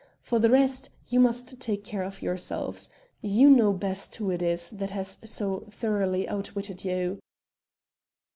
For the rest, you must take care of yourselves. You know best who it is that has so thoroughly outwitted you."